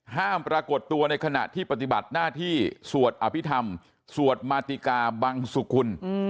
ปรากฏตัวในขณะที่ปฏิบัติหน้าที่สวดอภิษฐรรมสวดมาติกาบังสุกุล